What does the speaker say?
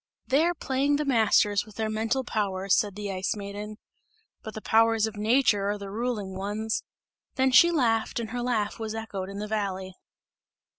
"They are playing the masters with their mental powers," said the Ice Maiden, "but the powers of nature are the ruling ones!" and she laughed and her laugh was echoed in the valley.